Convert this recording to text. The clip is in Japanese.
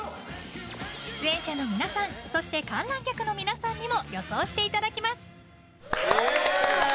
出演者の皆さんそして観覧客の皆さんにも予想していただきます！